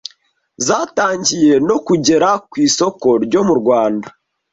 zatangiye no kugera ku isoko ryo mu Rwanda